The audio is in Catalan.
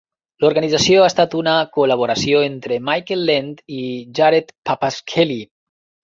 L'organització ha estat una col·laboració entre Michael Lent i Jared Pappas-Kelley.